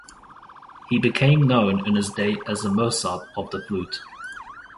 He became known in his day as the "Mozart of the Flute".